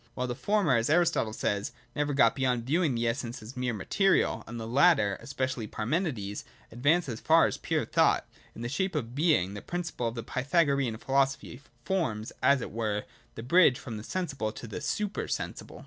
While the former, as Aristotle says, never get beyond viewing the essence of things as material (uXij), and the latter, especially Parmenides, advanced as far as pure thought, in the shape of Being, the principle of the Pythagorean philosophy forms, as it were, the bridge from the sensible to the super sensible.